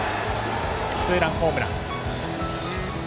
ツーランホームラン。